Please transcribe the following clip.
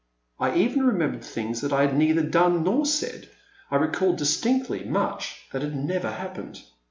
I even remembered things that I had neither done nor said, I recalled dis tinctly much that had never happened.